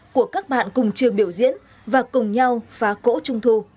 của các bạn cùng trường biểu diễn và cùng nhau phá cỗ trung thu